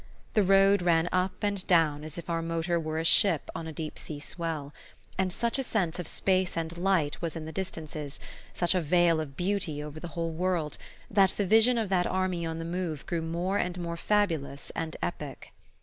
The road ran up and down as if our motor were a ship on a deep sea swell; and such a sense of space and light was in the distances, such a veil of beauty over the whole world, that the vision of that army on the move grew more and more fabulous and epic.